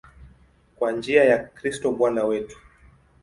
Kwa njia ya Kristo Bwana wetu.